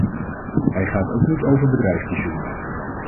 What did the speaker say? Hij gaat ook niet over bedrijfspensioenen.